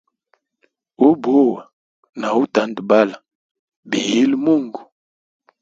Ubuwa na utandabala biyile mungu.